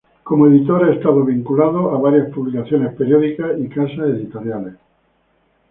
Como editor, ha estado vinculado a varias publicaciones periódicas y casas editoriales.